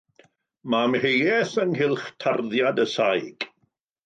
Mae amheuaeth ynghylch tarddiad y saig.